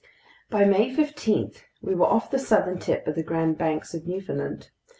By May 15 we were off the southern tip of the Grand Banks of Newfoundland.